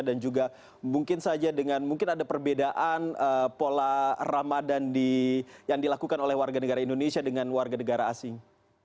dan juga mungkin saja dengan mungkin ada perbedaan pola ramadan yang dilakukan oleh warga negara indonesia dengan warga negara asing